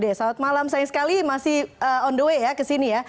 dede selamat malam sayang sekali masih on the way ya ke sini ya